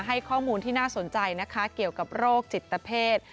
ให้ข้อมูลที่น่าสนใจนะคะเกี่ยวกับโรคจิตเพศ